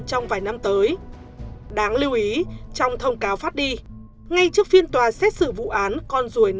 trong vài năm tới đáng lưu ý trong thông cáo phát đi ngay trước phiên tòa xét xử vụ án con ruồi